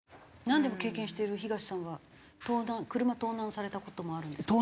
なんでも経験している東さんは盗難車盗難された事もあるんですか？